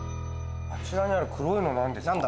あちらにある黒いの何ですか？